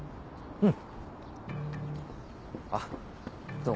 うん。